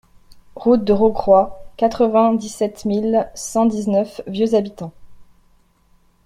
Route de Rocroy, quatre-vingt-dix-sept mille cent dix-neuf Vieux-Habitants